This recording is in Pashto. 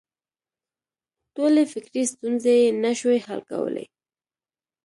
ټولې فکري ستونزې یې نه شوای حل کولای.